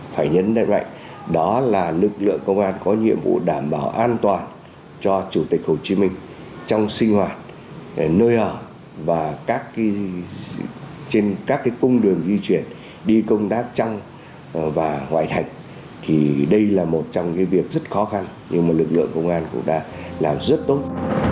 phải nhấn đặt lại đó là lực lượng công an có nhiệm vụ đảm bảo an toàn cho chủ tịch hồ chí minh trong sinh hoạt nơi ở và các cái trên các cái cung đường di chuyển đi công tác trăng và ngoại thành thì đây là một trong cái việc rất khó khăn nhưng mà lực lượng công an cũng đã làm rất tốt